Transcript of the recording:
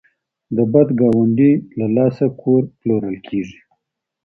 د بد ګاونډي له لاسه کور پلورل کیږي.